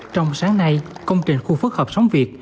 trong sáng nay công trình khu phức hợp sóng việt